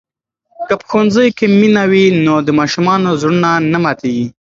که په ښوونځي کې مینه وي نو د ماشومانو زړونه نه ماتېږي.